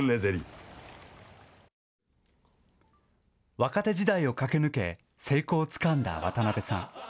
若手時代を駆け抜け成功をつかんだ渡辺さん。